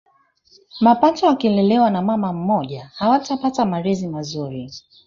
Mapacha wakilelewa na mama mmoja hawatapata malezi mazuri